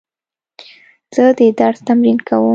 زه د درس تمرین کوم.